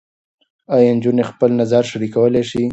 ایا نجونې خپل نظر شریکولی شي؟